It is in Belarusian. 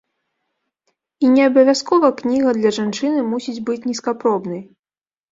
І не абавязкова кніга для жанчыны мусіць быць нізкапробнай.